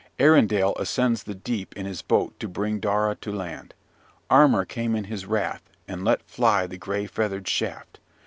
Arindal ascends the deep in his boat to bring Daura to land. Armar came in his wrath, and let fly the gray feathered shaft.